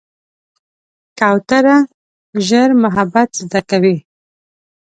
کوتره ژر محبت زده کوي.